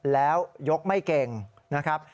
แล้วยกไม่เก่งนะครับ